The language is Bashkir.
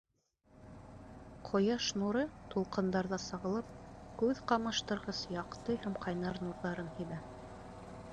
Ҡояш нуры, тулҡындарҙа сағылып, күҙ ҡамаштырғыс яҡты һәм ҡайнар нурҙарын һибә.